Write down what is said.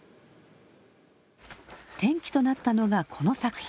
転機となったのがこの作品。